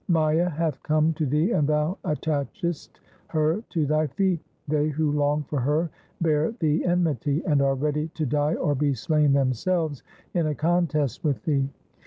Maya hath come to thee and thou attachest her to thy feet. They who long for her bear thee enmity, and are ready to die or be slain themselves in a contest with thee.